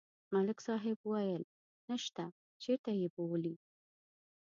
ملک صاحب ویل: نشته، چېرته یې بولي؟